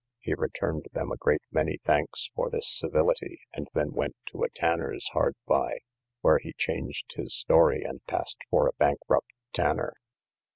He returned them a great many thanks for this civility, and then went to a tanner's hard by, where he changed his story, and passed for a bankrupt tanner.